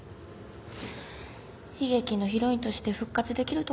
悲劇のヒロインとして復活できるとこだったのになぁ。